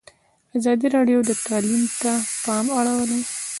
ازادي راډیو د تعلیم ته پام اړولی.